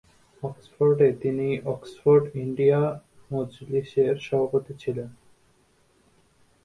অক্সফোর্ডে তিনি Oxford India মজলিসের সভাপতি ছিলেন।